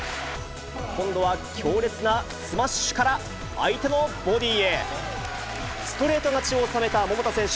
今度は強烈なスマッシュから、相手のボディーへ、ストレート勝ちを収めた桃田選手。